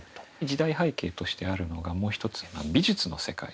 時代背景としてあるのがもう一つ美術の世界ですね。